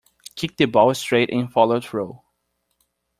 Kick the ball straight and follow through.